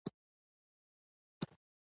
سل روپی پور کړه د ژمي شپه په کور کړه .